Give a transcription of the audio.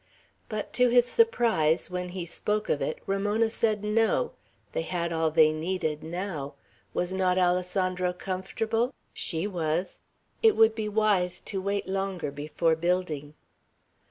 But to his surprise, when he spoke of it, Ramona said no; they had all they needed, now. Was not Alessandro comfortable? She was. It would be wise to wait longer before building.